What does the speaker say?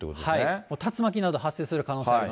竜巻など発生する可能性あり